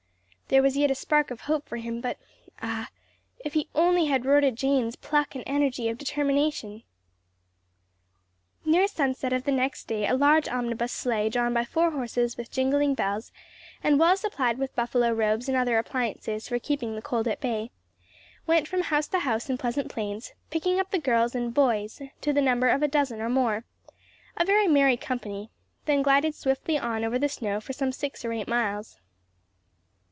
There was yet a spark of hope for him, but ah if he only had Rhoda Jane's pluck and energy of determination! Near sunset of the next day a large omnibus sleigh drawn by four horses with jingling bells, and well supplied with buffalo robes and other appliances for keeping the cold at bay, went from house to house in Pleasant Plains, picking up the girls and "boys" to the number of a dozen or more a very merry company then glided swiftly on over the snow for some six or eight miles.